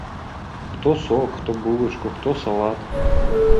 Хто сок, хто булачку, хто салат.